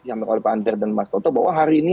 di sama roli pantir dan mas toto bahwa hari ini